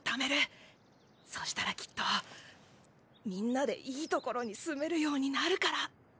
そしたらきっとみんなでいい所に住めるようになるから。